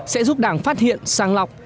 sẽ giúp đảng phát hiện sàng lọc